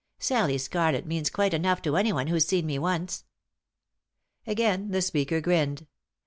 Sallie Scarlett means quite enough to anyone who's seen me once." Again the speaker grinned.